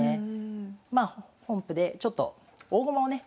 まあ本譜でちょっと大駒をね